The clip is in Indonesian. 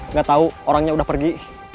nggak tahu orangnya udah pergi